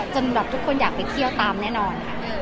สำหรับทุกคนอยากไปเที่ยวตามแน่นอน